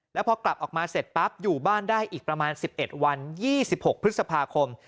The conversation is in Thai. แล้วพอกลับออกมาเสร็จปั๊บอยู่บ้านได้อีกประมาณ๑๑วัน๒๖พฤษภาคม